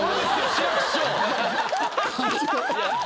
志らく師匠。